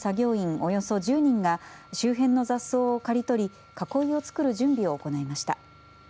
およそ１０人が周辺の雑草を刈り取り囲いを作る準備を行いました。